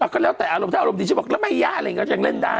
ก็แล้วแต่อารมณ์ถ้าอารมณ์ดีไม่ยากก็จังเล่นได้